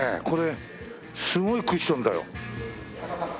これすごいクッションだよ。